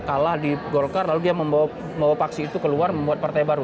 kalah di golkar lalu dia membawa paksi itu keluar membuat partai baru